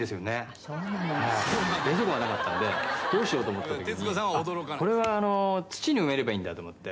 「ああそうなの」「冷蔵庫がなかったんでどうしようと思ったときにこれは土に埋めればいいんだと思って」